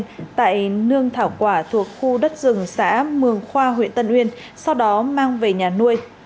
hồng an nhông thảo quả thuộc khu đất rừng xã mường khoa huyện tân uyên sau đó mang về nhà nuôi